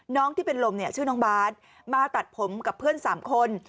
ที่เป็นลมเนี่ยชื่อน้องบาทมาตัดผมกับเพื่อน๓คน